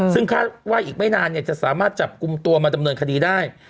ซึ่งคาดว่าอีกไม่นานจะสามารถจับกลุ่มตัวมาดำเนินคดีได้